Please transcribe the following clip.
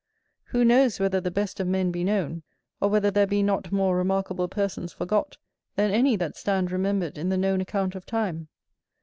Who knows whether the best of men be known, or whether there be not more remarkable persons forgot, than any that stand remembered in the known account of time?